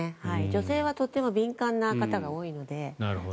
女性はとても敏感な方が多いので。